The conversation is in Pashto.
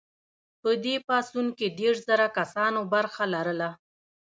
په دې پاڅون کې دیرش زره کسانو برخه لرله.